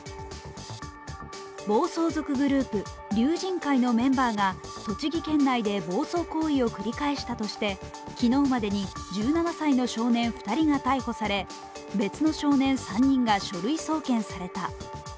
暴走族グループ・龍神會のメンバーが栃木県内で暴走行為を繰り返したとして、昨日までに１７歳の少年２人が逮捕され、別の少年３人が書類送検された。